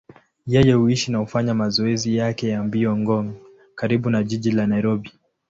Yeye huishi na hufanya mazoezi yake ya mbio Ngong, karibu na jiji la Nairobi.